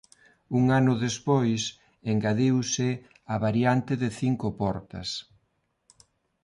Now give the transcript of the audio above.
Un ano despois engadiuse a variante de cinco portas.